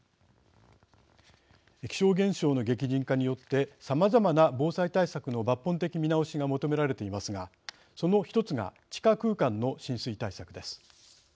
気象現象の激甚化によってさまざまな防災対策の抜本的、見直しが求められていますがその一つが地下空間の浸水対策です。